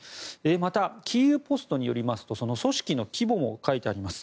また、キーウ・ポストによると組織の規模も書いてあります。